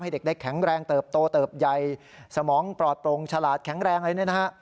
ให้เด็กแข็งแรงเติบโตเติบใยสมองปลอดตรงฉลาดแข็งแรงอะไรแน่นะครับ